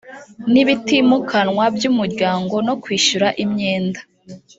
n ibitimukanwa by umuryango no kwishyura imyenda